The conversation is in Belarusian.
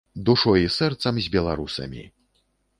Душой і сэрцам з беларусамі.